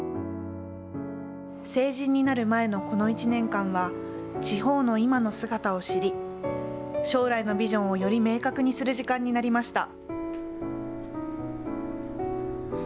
成人になる前のこの１年間は地方の今の姿を知り将来のビジョンをより明確にする時間になりました。